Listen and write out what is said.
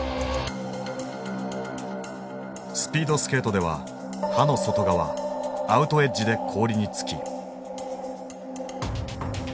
スピードスケートでは刃の外側アウトエッジで氷に着き。